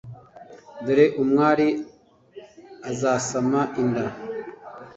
“Dore umwari azasama inda